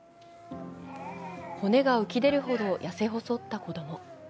骨が浮き出るほど痩せ細った子供。